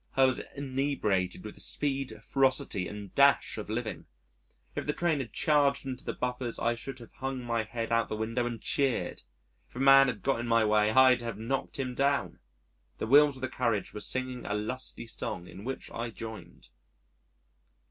I was inebriated with the speed, ferocity, and dash of living.... If the train had charged into the buffers I should have hung my head out of the window and cheered. If a man had got in my way, I'd have knocked him down. The wheels of the carriage were singing a lusty song in which I joined.